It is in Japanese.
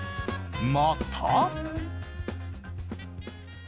また。